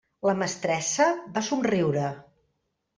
La mestressa va somriure.